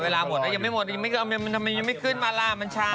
เวลาหมดแล้วยังไม่หมดมันทำไมยังไม่ขึ้นมาล่ะมันช้า